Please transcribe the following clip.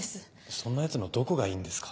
そんなヤツのどこがいいんですか？